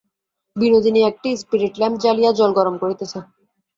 বিনোদিনী একটি spirit lamp জ্বালিয়া জল গরম করিতেছে।